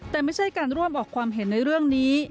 แต่ไม่ใช่การร่วมออกความเห็นในเรื่องนี้